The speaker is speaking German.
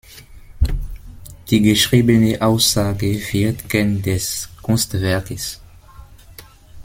Die geschriebene Aussage wird Kern des Kunstwerkes.